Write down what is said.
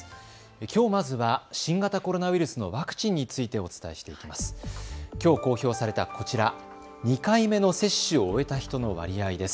きょう、まずは新型コロナウイルスのワクチンについてお伝えしていきます。